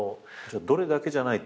どれだけじゃないと。